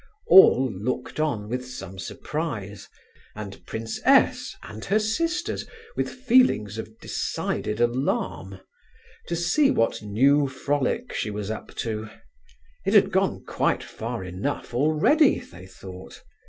All looked on with some surprise, and Prince S. and her sisters with feelings of decided alarm, to see what new frolic she was up to; it had gone quite far enough already, they thought.